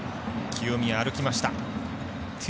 清宮、歩きました。